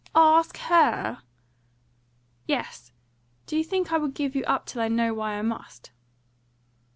"Ask HER?" "Yes! Do you think I will give you up till I know why I must?"